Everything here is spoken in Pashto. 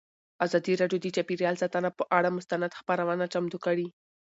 ازادي راډیو د چاپیریال ساتنه پر اړه مستند خپرونه چمتو کړې.